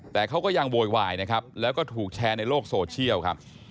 แต่เขาก็ยังโวยวายนะครับแล้วก็ถูกแชร์ในโลกโซเชียลครับ